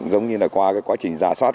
giống như là qua quá trình giả soát